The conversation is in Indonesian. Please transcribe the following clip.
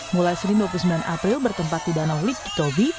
mulai senin dua puluh sembilan april bertempat di danau lik tobi